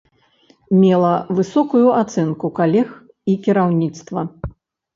Мела высокую ацэнку калег і кіраўніцтва.